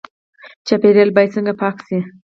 چاپیریال باید څنګه پاک شي؟